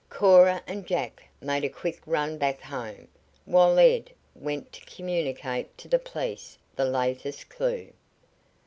Cora and Jack made a quick run back home, while Ed, went to communicate to the police the latest clue.